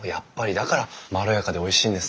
だからまろやかでおいしいんですね。